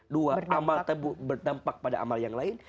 dua amal berdampak pada amal yang lain